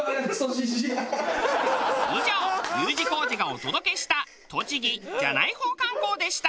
以上Ｕ字工事がお届けした栃木「じゃない方観光」でした。